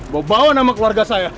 boboan sama keluarga saya